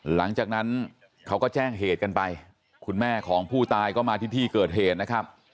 หลังจากนั้นเขาก็แจ้งเหตุกันไปคุณแม่ของผู้ตายก็มาที่ที่เกิดเหตุนะครับ